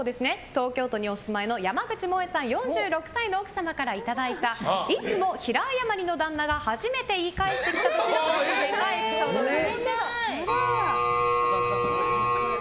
東京都にお住まいの山口もえさん４６歳の奥様からいただいたいつも平謝りの旦那が初めて言い返してきた時の夫婦ゲンカエピソードです。